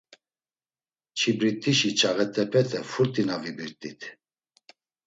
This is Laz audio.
Çibrit̆işi çağet̆epete furt̆i na vibirt̆it.